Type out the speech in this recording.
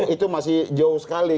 itu masih jauh sekali